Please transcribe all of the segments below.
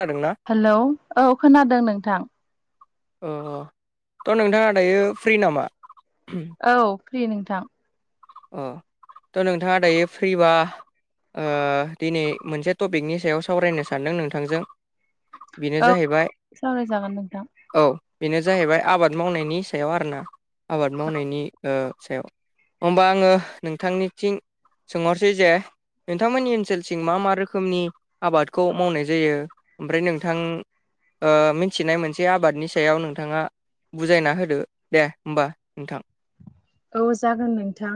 खोनादोंना? हेलौ औ खोनादों नोंथां। ओ ओ थ' नोंथाङा दायो फ्रि नामा औ फ्रि नोंथां। अ थ' नोंथाङा दायो फ्रिबा ओ दिनै मोनसे टपिकनि सायाव सावरायनो सानदों नोंथांजों। बेनो औ जाहैबाय सावरायजागोन नोंथां। औ बेनो जाहैबाय आबाद मावनायनि सायाव आरोना आबाद मावनायनि सायाव होनबा आङो नोंथांनिथिं सोंहरसै जेओ नोंथांमोननि ओनसोलथिं मा मा रोखोमनि आबादखौ मावनाय जायो। ओमफ्राय नोंथां ओ मिथिनाय मोनसे आबादनि सायाव नोंथाङा। बुजायना होदो दे होमबा नोंथां ना। ओ औ जागोन नोंथां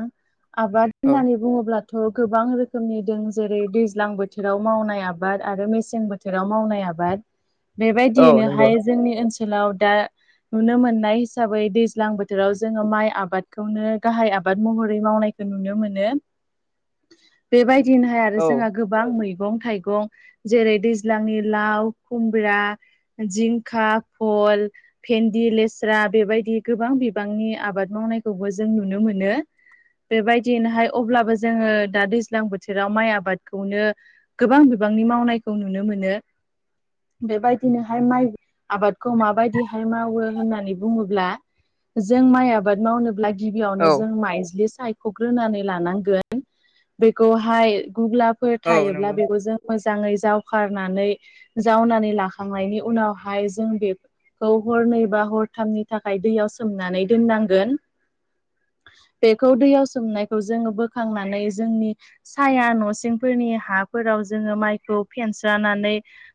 आबाद औ होननानै बुङोब्ला थ' गोबां रोखोमनि दं जेरै दैज्लां बोथोराव मावनाय आबाद आरो मेसें बोथोराव मावनाय आबाद। [inaudible] औ बेबादियैनो नंगौ हाया जोंनि ओनसोलाव दा नुनो मोननाय हिसाबै दैज्लां बोथोराव जोङो माइ आबाद खौनो गाहाय आबाद महरै मावनायखौ नुनो मोनो। बेबादिनोहाय आरो औ जोंहा गोबां मैगं थाइगं जेरै दैज्लांनि लाव, खुमब्रा जिंखा भल भेनलि लेस्रा बेबायदि गोबां बिबांनि आबाद मावनायखौबो जों नुनो मोनो। बेबायदिनोहाय अब्लाबो जोङो दा दैज्लां बोथोराव माइ आबादखौनो। गोबां बिबांनि मावनायखौ नुनो मोनो। बेबादिनोहाय माइ आबादखौ माबायदिहाय मावो होननानै बुङोब्ला जों माइ आबाद मावनोब्ला गिबियावनो औ जों माइज्लि साय ख'ग्रोनानै लानांगोन बेखौहाय गुब्लाफोर औ थायोब्ला नंगौ बेखौ जों मोजाङै जावखारनानै जावनानै लाखांनायनि उनावहाय जों बे खौ हरनै बा हरथामनि थाखाय दैयाव सोमनानै दोननांगोन। बेखौ दैयाव सोमनायखौ जोङो बोखांनानै जोंनि साया न'सिंफोरनि हाफोराव जोङो माइखौ फेनस्रानानै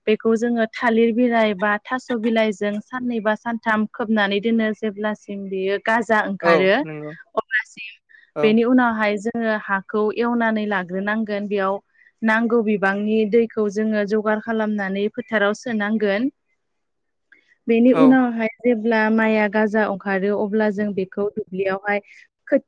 बेखौ जोङो थालिर बिलाइ बा थास' बिलाइजों साननै बा सानथाम खोबनानै दोनो जेब्लासिम बेयो गाजा ओं औ खारो नंगौ अब्लासिम औ बेनि उनावहाय जोङो हा खौ एवनानै लाग्रोनांगोन बेयाव नांगौ बिबांनि दैखौ जोङो जगार खालामनानै फोथाराव सोनांगोन [inaudible] बेनि उनावहाय जेब्ला माइआ गाजा ओंखारो अब्ला जों बे खौ दुब्लियावहाय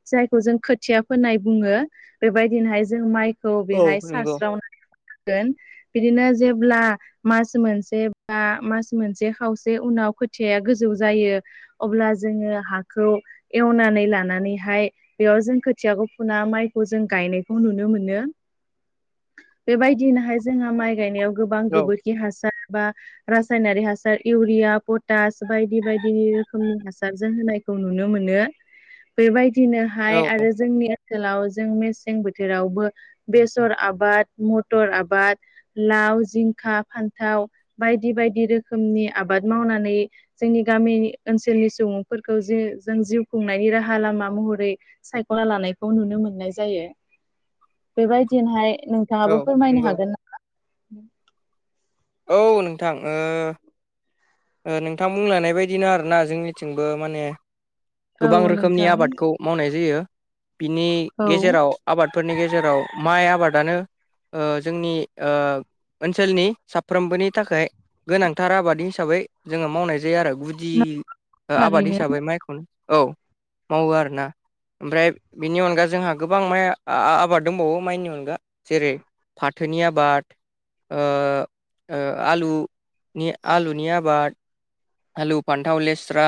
जायखौ जों खोथिया फोननाय बुङो बेबायदिनोहाय जों माइ खौ औ बेहाय नंगौ सारस्रावनानै होनांगोन बिदिनो जेब्ला मास मोनसे बा मास मोनसे खावसे उनाव खोथिया गोजौ जायो अब्ला जोङो हाखौ एवनानै लानानैहाय बेयाव जों खोथियाखौ फुना माइखौ जों गायनायखौ नुनो मोनो बेबायदिनोहाय जोंहा माइ गायनायाव गोबां औ गोबोरखि हासार बा रासायनारि हासार इउरिया पटास बायदि बायदि रोखोमनि हासार जों होनायखौ नुनो मो नो औ बेबायदिनोहाय आरो जोंनि सोखालाव जों मेसें बोथोरावबो बेसर आबाद मटर आबाद लाव जिंखा फान्थाव बायदि बायदि रोखोमनि आबाद मावनानै जोंनि गामि ओनसोलनि सुबुंफोरखौ जे जों जिउ खुंनायनि राहा लामा महरै सायख'ना लानायखौ नुनो मोननाय जायो। बेबायदिनोहाय नोंथाङाबो औ फोरमायनो नंगौ हागोन। औ नोंथां ओ ओ नोंथां बुंलायनाय बायदिनो आरोना जोंनिथिंबो माने औ गोबां रोखोमनि नोंथां आबादखौ मावनाय जायो बिनि औ गेजेराव आबाद फोरनि गेजेराव माइ आबादानो ओ जोंनि ओ ओनसोलनि साफ्रोमबोनि थाखाय गोनांथार आबाद हिसाबै जोङो मावनाय जायो आरो गु दि ओ आबाद थारैनो हिसाबै माइखौनो औ मावो आरोना। ओमफ्राय बेनि अनगा जोंहा गोबां माइ आ आबाद दंबावो माइनि अनगा जेरै फाथोनि आबाद ओ ओ आलुनि आलुनि आबाद आलु फान्थाव लेस्रा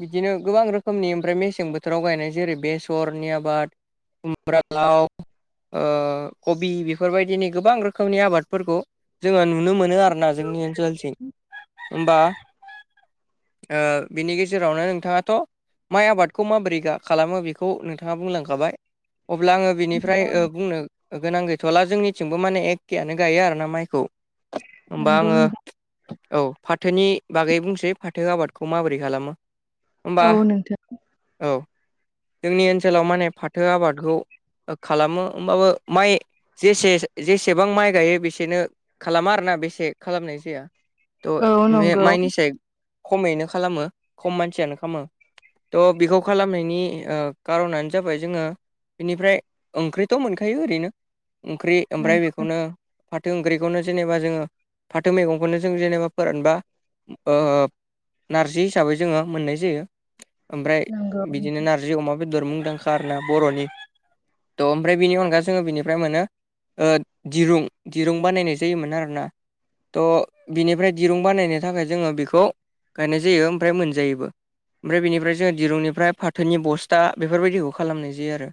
बिदिनो गोबां रोखोमनि ओमफ्राय मेसें बोथोराव गायनाय जेरै बेसरनि आबाद खुमब्रा लाव ओ कबि बेफोरबायदिनि गोबां रोखोमनि आबादफोरखौ जोङो नुनो मो नो आरोना जोंनि ओनसोलसिम ओमबा ओ बिनि गेजेरावनो नोंथाङाथ' माइ आबादखौ माबोरै गा खालामो बेखौ नोंथाङा बुंलांखाबाय। अब्ला आङो बिनिफ्राय ओ बुंनो गोनां गैथ'ला जोंनिथिंबो माने एखेयानो गायो आरोना माइखौ ओमबा नंगौ आङो नोंथां औ फाथोनि बागै बुंसै फाथो आबादखौ माबोरै खालामो। ओमबा औ नोंथां औ जोंनि ओनसोलाव माने फाथो आबादखौ खालामो होमबाबो माइ जेसे जेसेबां माइ गायो बेसेनो खालामा आरोना बेसे खालामनाय जाया। थ' औ बे नंगौ माइनिसाय खमैनो खालामो खम मानसियानो खामो। त' बेखौ खालामनायनि ओ कार'नानो जाबाय जोङो बेनिफ्राय ओंख्रिथ' मोनखायो ओरैनो ओंख्रि ओमफ्राय नंगौ बेखौनो फा थो ओंख्रिखौनो जेनेबा जोङो फाथो मैगंखौनो जों जेनेबा फोरानबा ओ नारजि हिसाबै जोङो मोननाय जायो। ओमफ्राय नंगौ बिदिनो नोंथां नारजि अमा बेदर मुंदांखा आरोना बर'नि त' ओमफ्राय बेनि अनगा जोङो बिनिफ्राय मोनो। ओ दिरुं दिरुं बानायनाय जायोमोन आरोना। त' बिनिफ्राय दिरुं बानायनो थाखाय जोङो बेखौ गायनाय जायो ओमफ्राय मोनजायोबो‌। ओमफ्राय बेनिफ्राय जोङो दिरुंनिफ्राय फाथोनि बस्था बेफोरबायदिखौ खालामनाय जायो आरो।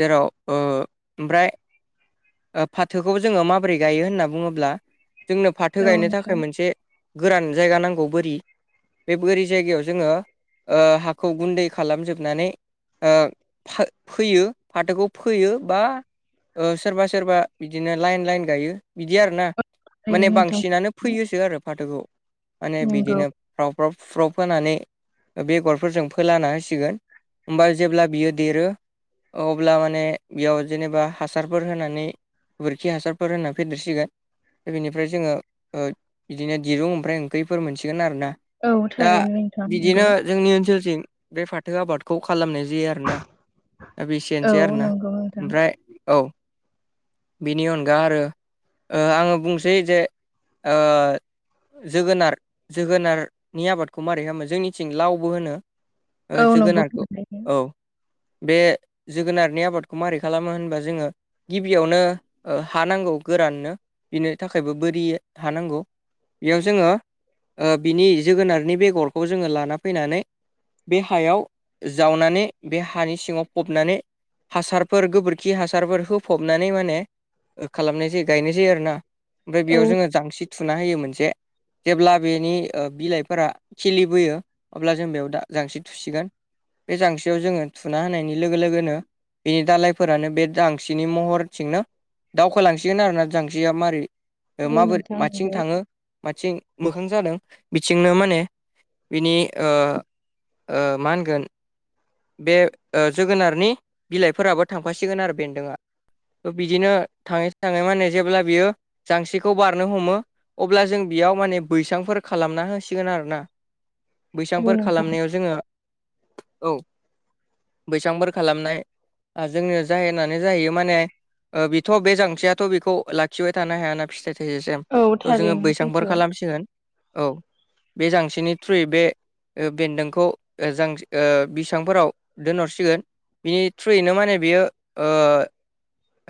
जेराव ओ ओमफ्राय ओ फाथोखौ जोङो माबोरै गायो होनना बुङोब्ला जोंनो फाथो औ गायनो नोंथां थाखाय मोनसे गोरान जायगा नांगौ बोरि। बे बोरि जायगायाव जोङो ओ हाखौ गुन्दै खालामजोबनानै ओ फोयो फाथोखौ फोयो बा ओ सोरबा सोरबा बिदिनो लाइन लाइन गायो बिदि आरो ना थारैनो माने नोंथां बांसिनानो फैयोसो आरो फाथोखौ माने नंगौ बिदिनो। फ्राव फ्राव फ्रुफ्राव फोनानै बेगरफोरजों फोलाना होसिगोन ओमबा जेब्ला बियो देरो अब्ला माने बेयाव जेनेबा हासारफोर होनानै गोबोरखि हासारफोर होनानै फेदेरसिगोन दा बेनिफ्राय जोङो ओ बिदिनो दिरुं ओमफ्राय ओंख्रिफोर मोनसिगोन आरोना औ दा थारैनो नोंथां नंगौ बिदिनो जोंनि ओनसोलथिं बे फाथो आबादखौ खालामनाय जायो आरोना दा औ बेसेनोसै आरोना नंगौ नोंथां ओमफ्राय औ बिनि अनगा आरो आंङो बुंसै जे ओ जोगोनार जोगोनारनि आबादखौ मारोरै खालामो जोंनिथिं लावबो होनो ओ औ नंगौ जोगोनारखौ थारैनो औ बे जोगोनारनि आबादखौ माबारै खालामो होनबा जोंङो गिबियावनो हानांगौ गोराननो बिनि थाखायबो बोरि हानांगौ बेयाव जोंङो बिनि जोगोनारनि बेगरखौ जोंङो लाना फैनानै बे हायाव जावनानै बे हानि सिंङाव फबनानै हासारफोर गोबोरखि हासारफोर फबनानै माने खालामनाय जायो गायनाय जायो आरो ना ओमफ्राय औ बेयाव जोंङो जांसि थुना होयो मोनसे जेब्ला बेनि बिलाइफोरा खिलिबोयो अब्ला जों बेयाव द जांसि थुसिगोन बे जांस्रियाव जोङो थुना होनायनि लोगो लोगोनो बेनि दालायफोरानो बे जांसिनि महरथिंनो दावखोलांसिगोन आरोना जांसिया माबारै औ माबोरै नोंथां नंगौ आो मथिं मोखां जादों बिथिंनो माने बिनि मा होनगोन बे जोगोनारनि बिलाइफोराबो थांफासिगोन आरो बेन्दोंआ बिदिनो थांङै थांङै मान होने जेब्ला बियो जांसिखौ बारनो हमो अब्ला जों बेयाव माने बैसांफोर खालामना होसिगोन आरो ना औ बैसांफोर नोंथां खालामनायाव जोंङो औ बैसांफोर खालामनाय जोंनि जाहै होननानै जाहैयो माने बेथ' बे जांथियाथ' बेखौ लाखिबाय थानो हायाना फिथाइ थाइजासिम औ थ जोंङो थारैनो बैसांफोर सैथो खालामसिगोन औ बे जांसिनि थ्रुयै बे बेन्दोंखौ जां बिसां फोराव दोनहरसिगोन बिनि थ्रुयैनो माने बियो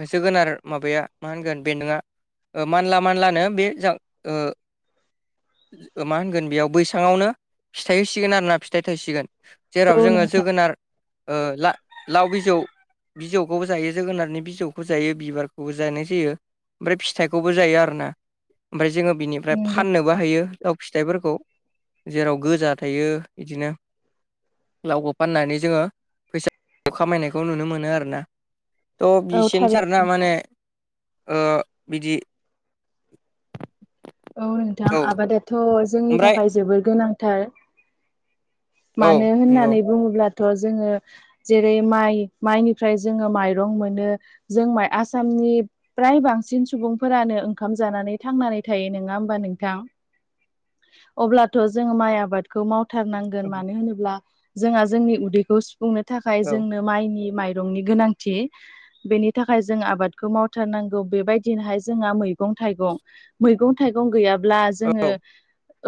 होसोगोनार माबाया मा होनगोन बे बेनदोंङा मानला मानलानो बे जा ओ मा होनगोन बेयाव बैसांवानो फिथाइ होसिगोन आरो ना फिथाइ थायसिगोन जेराव औ जोंङो नोंथां जोगोनार लाव बिजौ बिजौखौबो जायो जोगोनारनि बिजौखौ जायो बिबारखौबो जानाय जायो ओमफ्राय फिथाइखौबो जायो आरोना ओमफ्राय जोङो बिनिफ्राय नंगौ फाननो बो हायो लाउ फिथाइफोरखौ जेराव गोजा थायो बिदिनो लावखौ फाननानै जोंङो फैसा खामायनायखौ नुनो मोनो आरोना ओ औ बिसोरनो सारना थारैनो माने ओ बिदि औ नोंथां औ आबादाथ' जोंनि ओमफ्राय थाखाय जोबोर गोनांथार औ मानो नंगौ होननानै बुंङोब्लाथ' जोङो जेरै माइ माइनिफ्राय जोङो माइरं मोनो जों माइ आसामनि फ्राय बांसिन सुबुंफोरानो ओंखाम जानानै थांनानै थायो नोङा होमबा नोंथां अब्लाथ' जों माइ आबाद खौ मावथारनांगोन औ मानो होनोब्ला जोंहा जोंनि उदैखौ सुफुंनो थाखाय जोंनो माइनि माइरंनि गोनांथि बेनि थाखाय जों आबादखौ मावथारनांगौ बेबायदिनोहाय जोंहा मैगं थाइगं मैगं थाइगं गैयाब्ला जोङो औ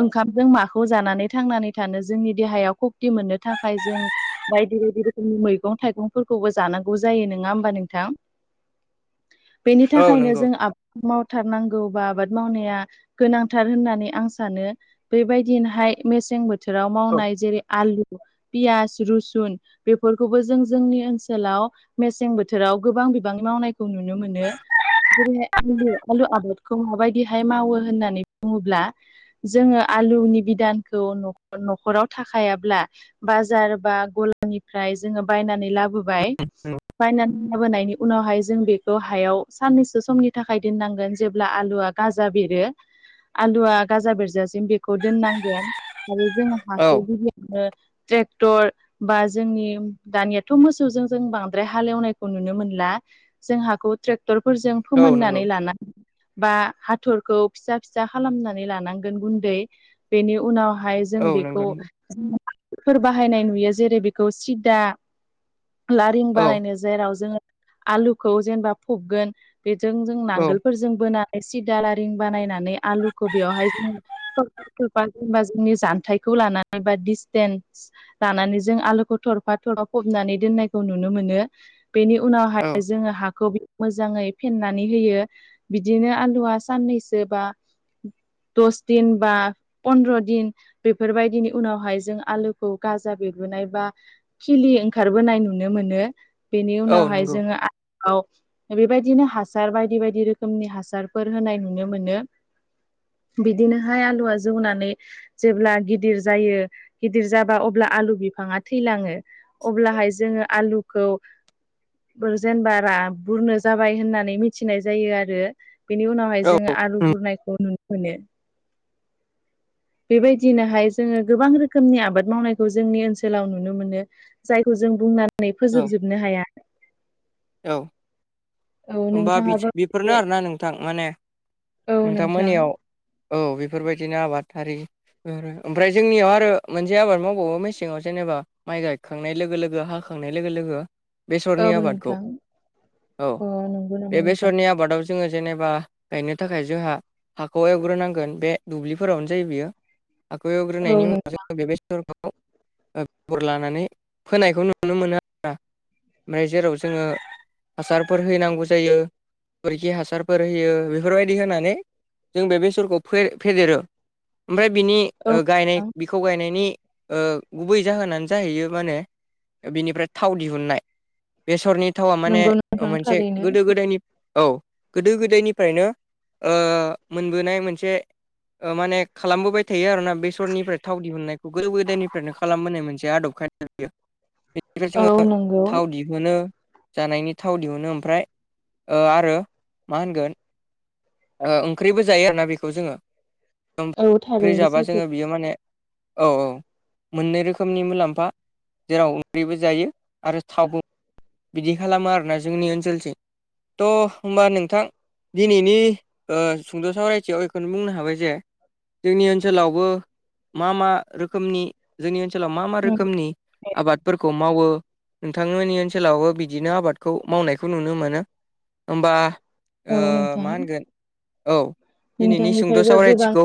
ओंखामजों माखौ जानानै थांनानै थानो जोंनि देहायाव खक्ति मोननो थाखाय जों बायदि बायदि रोखोमनि मैगं थाइगंफोरखौबो जानांगौ जायो नोङा होमबा नोंथां [inaudible] बेनि औ थाखायनो नंगौ जों आबाद मावथारनांगौ बा आबाद मावनाया गोनांथार होननानै आं सानो बेबायदिनोहाय मेसें बो बोथोराव औ मावनाय जेरै आलु पियास रुसुन बेफोरखौबो जों जोंनि ओनसोलाव मेसें बोथोराव गोबां बिबां मावनायखौ नुनो मोनो जेरैहाय आलु आलु आबादखौ माबायदिहाय मावो होननानै बुङोब्ला जोङो आलुनि बिदानखौ न' न'खराव थाखायाब्ला बाजार बा गलानिफ्राय जोङो बायनानै लाबोबाय बायनानै लाबोनायनि उनावहाय जों बेखौ हायाव साननैसो समनि थाखाय दोननांगोन जेब्ला आलुआ गाजा बेरो आलुआ गाजा बेरजासिम बेखौ दोननांगोन आरो जोंहा औ हाखौ गिबियावनो ट्रेक्टर बा जोंनि दानियाथ' मोसौजों जों बांद्राय हालेवनायखौ नुनो मोनला जोंहाखौ ट्रेक्टरफोरजों औ नंगौ फोमोननानै लाना बा हाथरखौ फिसा फिसा खालामनानै लानांगोन गुन्दै बेनि उनावहाय जों औ नंगौ बेखौ नंगौ फोर बाहायनाय नुयो जेरै बेखौ सिदा लारिं औ बानायनो जेराव जोङो आलुखौ जेनेबा फबगोन बेजों जों औ नांगोलफोरजों बोनानै सिदा लारिं बानायनानै आलुखौ बेवहाय जों [unintelligible] जेनेबा जोंनि जानथायखौ लानानै बा दिसटेन्स लानानै जों आलुखौ थरफा थरफा फबनानै दोननायखौ नुनो मोनो बेनि औ उनावहाय जोङो हाखौ मोजाङै फेन्नानै होयो बिदिनो आलुआ साननैसो बा दस दिन बा फन्द्र' दिन बेफोरबायदिनि उनावहाय जों आलुखौ गाजा बेरबोनाय बा खिलि ओंखारबोनाय नुनो मोनो बेनि औ उनावहाय नंगौ जोङो आलुआव बेबायदिनो हासार बायदि बायदि रोखोमनि हासार फोर होनाय नुनो मोनो बिदिनोहाय आलुवा जौनानै जेब्ला गिदिर जायो गिदिर जाबा अब्ला आलु बिफाङा थैलाङो अब्लाहाय जोङो आलुखौ बुरजेनबा रा बुरनो जाबाय होननानै मिथिनाय जायो आरो बेनि उनावहाय औ जोङो आलु बुरनायखौ नुनो मोनो बेबायदिनोहाय जोङो गोबां रोखोमनि आबाद मावनायखौ जोंनि ओनसोलाव नुनो मोनो जायखौ जों बुंनानै औ फोजोबजोबनो हाया औ औ होमबा बिदि नोंथाङाबो बेफोरनो एसे आरोना नोंथां माने औ नोंथां नोंथांमोननियाव औ बेफोरबायदिनो आबाद हारि ओमफ्राय जोंनियाव आरो मोनसे आबाद मावबावो मेसेङाव जेनेबा माइ गायखांनाय लोगो लोगो हाखांनाय लोगो लोगो औ बेसरनि आबादखौ नोंथां औ अ नंगौ नामा बे नोंथां बेसरनि आबादाव जोङो जेनेबा गायनो थाखाय जोंहा हाखौ एवग्रोनांगोन बे दुब्लिफोरावनो जायो बियो हाखौ औ एवग्रोनायनि नों उनाव बे बेसरखौ ओ खबर लानानै फोनायखौ नुनो मोनो आरोना ओमफ्राय जेराव जोङो हासारफोर हैनांगौ जायो बोरखि हासारफोर होयो बेफोरबायदि होनानै जों बे बेसरखौ फेदेरो ओमफ्राय बिनि औ ओ गायनाय नोंथां बिखौ गायनायनि गुबै जाहोनानै जाहैयो माने बिनिफ्राय थाव दिहुननाय बेसरनि थावा माने नंगौ नोंथां मोनसे थारैनो गोदो गोदायनि औ गोदो गोदायनिफ्रायनो ओ मोनबोनाय मोनसे ओ माने खालामबोबाय थायो आरोना बेसरनिफ्राय थाव दिहुननायखौ गोदो गोदायनिफ्रायनो खालामबोनाय मोनसे आदबखाय [unintelligible] बेनिफ्राय औ जोङो नंगौ थाव दिहुनो जानायनि थाव दिहुनो ओमफ्राय आरो मा होनगोन ओ ओंख्रिबो जायो आरोना बेखौ जोङो औ ओंख्रि थारैनो जाबा सैथो जोङो बियो माने औ औ मोननै रोखोमनि मुलाम्फा जेराव ओंख्रिबो जायो आरो थाव बिदि खालामो आरोना जोंनि ओनसोलथि त' होमबा नोंथां दिनैनि ओ सुंद' सावरायथियाव बेखौनो बुंनो हाबाय जे जोंनि ओनसोलावबो मा मा रोखोमनि जोंनि ओनसोलाव मा मा रोखोमनि आबादफोरखौ मावो नोंथांमोननि ओनसोलावबो बि बिदिनो आबादखौ मावनायखौ नुनो मोनो ओमबा औ ओ नोंथां मा होनगोन औ दिनैनि सुंद' नोंथांनिफ्रायबो गोबां सावरायथिखौ